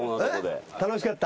楽しかった？